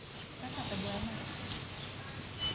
แล้วสักกะเบลือไหม